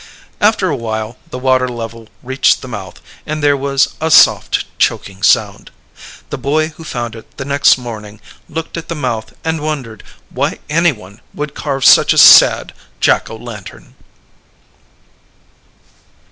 After a while the water level reached the mouth and there was a soft choking sound. The boy who found it the next morning looked at the mouth and wondered why anyone would carve such a sad Jack O' Lantern.